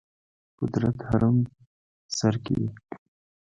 قدرت هرم سر کې وي.